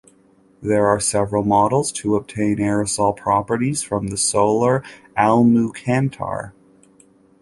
There are several models to obtain aerosol properties from the solar almucantar.